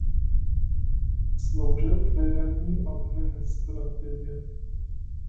Sloužil firemní administrativě.